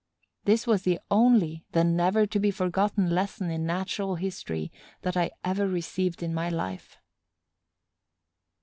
This was the only, the never to be forgotten lesson in natural history that I ever received in my life.